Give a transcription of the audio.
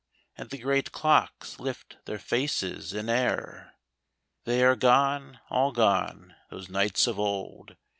And the great clocks lift their faces in air. They are gone, all gone, those knights of old.